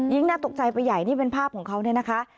น่าตกใจไปใหญ่นี่เป็นภาพของเขาเนี่ยนะคะ